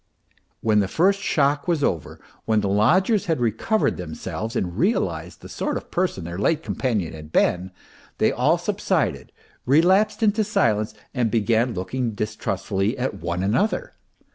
When the first shock was over, when the lodgers had recovered themselves and realized the sort of person their late companion had been, they all subsided, relapsed into silence and began looking distrustfully at one another.